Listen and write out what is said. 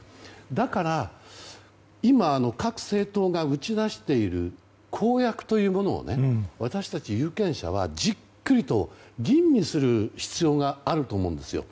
だから今各政党が打ち出している公約というものを私たち有権者はじっくりと吟味する必要があると思うんですよ。